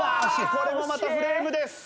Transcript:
これもまたフレームです。